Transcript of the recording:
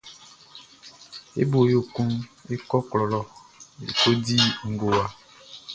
E bo yo kun e kɔ klɔ lɔ e ko di ngowa.